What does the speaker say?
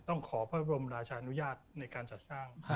ขอพระบรมราชานุญาตในการจัดสร้าง